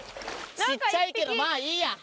小っちゃいけどまぁいいや。